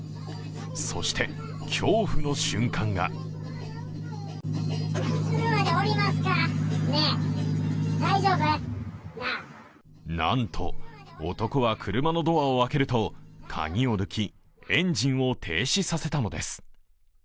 そして、恐怖の瞬間がなんと男は車のドアを開けると、鍵を抜き、エンジンを停止させたのです。